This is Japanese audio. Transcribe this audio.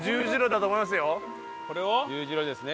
十字路ですね。